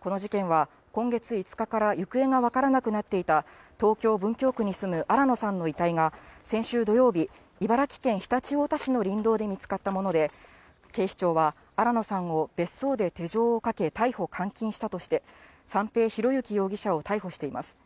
この事件は、今月５日から行方が分からなくなっていた、東京・文京区に住む新野さんの遺体が、先週土曜日、茨城県常陸太田市の林道で見つかったもので、警視庁は、新野さんを別荘で手錠をかけ、逮捕・監禁したとして、三瓶博幸容疑者を逮捕しています。